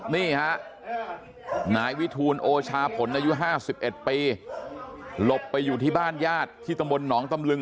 นี่ฮะนายวิทูลโอชาผลอายุ๕๑ปีหลบไปอยู่ที่บ้านญาติที่ตำบลหนองตำลึง